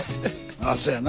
ああそやな。